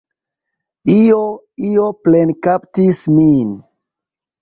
Io, io plenkaptis min.